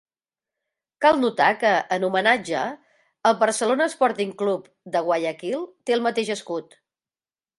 Cal notar que, en homenatge, el Barcelona Sporting Club de Guayaquil té el mateix escut.